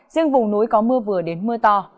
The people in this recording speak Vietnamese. riêng vùng núi có mưa vừa đến mưa to